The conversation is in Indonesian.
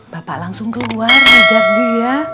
bapak langsung keluar agar dia